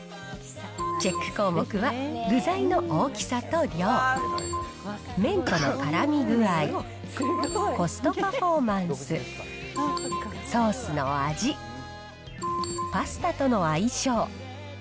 チェック項目は、具材の大きさと量、麺とのからみ具合、コストパフォーマンス、ソースの味、パスタとの相性。